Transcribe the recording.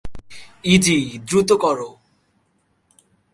ইযি, দ্রুত করো।